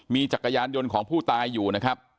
มีจักรยานยนต์ของผู้ตายอยู่นะครับ